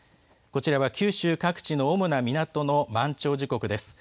こちらは九州各地の主な港の満潮時刻です。